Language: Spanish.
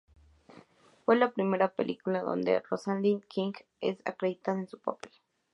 Fue la primera película donde Rosalind Knight es acreditada en su papel.